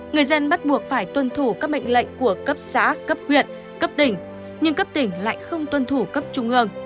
người dân bắt buộc phải tuân thủ các mệnh lệnh của cấp xã cấp huyện cấp tỉnh nhưng cấp tỉnh lại không tuân thủ cấp trung ương